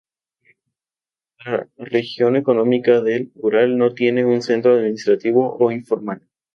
La región económica del Ural no tiene un centro administrativo o informal.